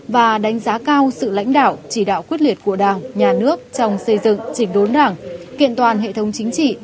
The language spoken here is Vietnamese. và đánh giá cao sự lãnh đạo chỉ đạo quyết liệt của đảng nhà nước trong xây dựng chỉnh đốn đảng kiện toàn hệ thống chính trị